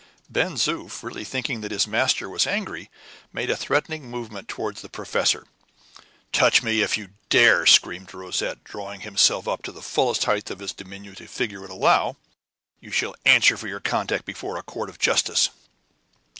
Ben Zoof, really thinking that his master was angry, made a threatening movement towards the professor. "Touch me if you dare!" screamed Rosette, drawing himself up to the fullest height his diminutive figure would allow. "You shall answer for your conduct before a court of justice!"